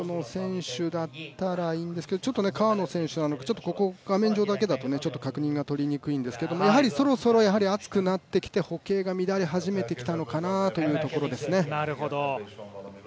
フィンランドの選手だったらいいんですけど川野選手、ちょっと画面上だけだと確認がとりにくいんですがやはりそろそろ暑くなってきて歩型が乱れ始めてきたのかなというところですね。